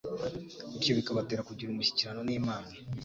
bityo bikabatera kugira umushyikirano n'Imana.